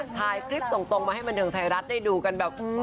ถ่ายคลิปส่งตรงมาให้บันเทิงไทยรัฐได้ดูกันแบบ